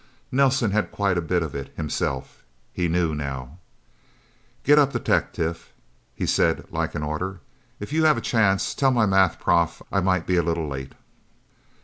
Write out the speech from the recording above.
Nelsen had quite a bit of it, himself. He knew, now. "Get up to Tech, Tif," he said like an order. "If you have a chance, tell my math prof I might be a little late..."